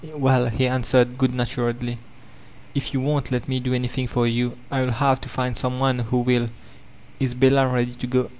"Well," he answered good naturedly, "if you won't let me do anything for you, I'll have to find some one who will Is Bella ready to go